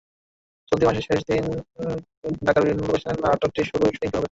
চলতি মাসের শেষ তিন দিন ঢাকার বিভিন্ন লোকেশনে নাটকটির শুটিং হবে।